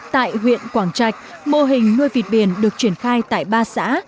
tại huyện quảng trạch mô hình nuôi vịt biển được triển khai tại ba xã